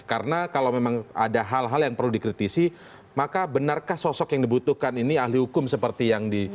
karena kalau memang ada hal hal yang perlu dikritisi maka benarkah sosok yang dibutuhkan ini ahli hukum seperti yang di